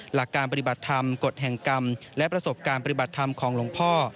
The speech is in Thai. หลักการปฏิบัติธรรมกฎแห่งกรรมและประสบการณ์ปฏิบัติธรรมของหลวงพ่อ